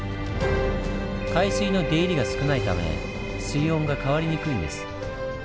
海水の出入りが少ないため水温が変わりにくいんです。